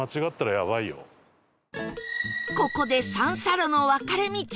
ここで三叉路の分かれ道